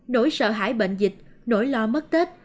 nỗi sợ hãi bệnh dịch nỗi lo mất tết